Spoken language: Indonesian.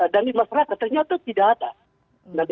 dan lima perata ternyata tidak ada